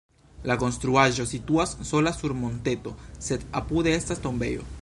La konstruaĵo situas sola sur monteto, sed apude estas tombejo.